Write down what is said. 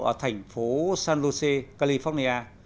ở thành phố san jose california